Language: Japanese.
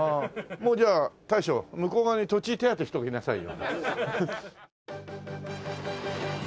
もうじゃあ大将向こう側に土地手当てしておきなさいよ。